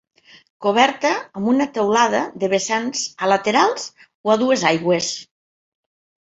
Coberta amb una teulada de vessants a laterals o a dues aigües.